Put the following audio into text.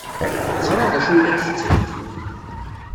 Ẓriɣ d acu ay la d-tettheyyi.